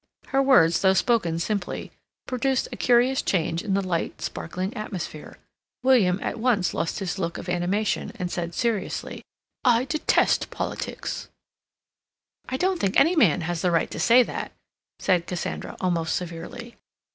Her words, though spoken simply, produced a curious change in the light, sparkling atmosphere. William at once lost his look of animation and said seriously: "I detest politics." "I don't think any man has the right to say that," said Cassandra, almost severely.